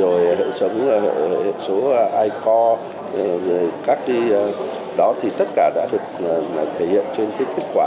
rồi hệ số i core các cái đó thì tất cả đã được thể hiện trên cái kết quả